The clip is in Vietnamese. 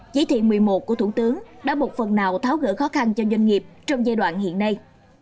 chỉ thị một mươi một của thủ tướng đã một phần nào tháo gỡ khó khăn cho doanh nghiệp trong giai đoạn hiện nay